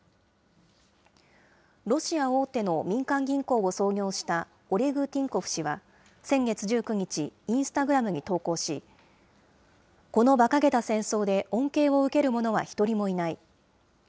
ロシア大手の民間銀行を創業したオレグ・ティンコフ氏は先月１９日、インスタグラムに投稿し、このばかげた戦争で恩恵を受ける者は１人もいない。